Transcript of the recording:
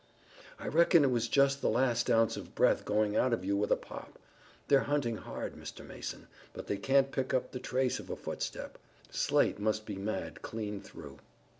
"I reckon it was just the last ounce of breath going out of you with a pop. They're hunting hard, Mr. Mason, but they can't pick up the trace of a footstep. Slade must be mad clean through."